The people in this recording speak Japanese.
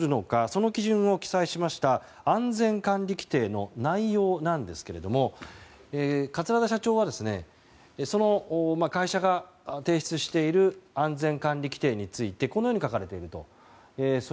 その基準を記載しました安全管理規程の内容なんですが桂田社長は会社が提出している安全管理規程についてこのように書かれていると。